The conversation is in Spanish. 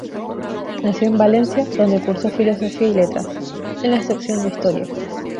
Nació en Valencia, donde cursó Filosofía y letras, en la sección de Historia.